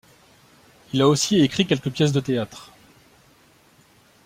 Il a aussi écrit quelques pièces de théâtre.